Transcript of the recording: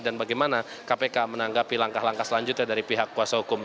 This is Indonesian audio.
dan bagaimana kpk menanggapi langkah langkah selanjutnya dari pihak kuasa hukum